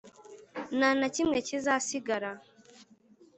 nta na kimwe kizasigara,